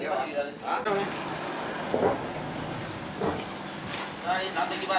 เดี๋ยวคุณเนี่ยมา